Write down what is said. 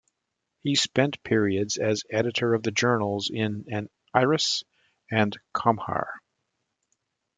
He spent periods as editor of the journals "An Iris" and "Comhar".